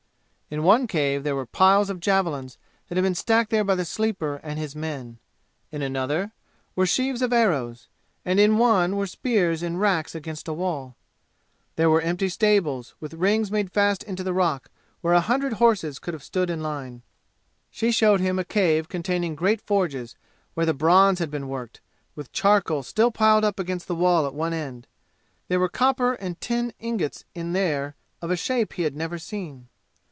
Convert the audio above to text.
In one cave there were piles of javelins that had been stacked there by the Sleeper and his men. In another were sheaves of arrows; and in one were spears in racks against a wall. There were empty stables, with rings made fast into the rock where a hundred horses could have stood in line. She showed him a cave containing great forges, where the bronze had been worked, with charcoal still piled up against the wall at one end. There were copper and tin ingots in there of a shape he had never seen.